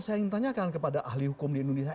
saya ingin tanyakan kepada ahli hukum di indonesia